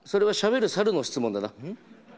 それはしゃべるサルの質問だな。